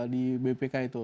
di bpk itu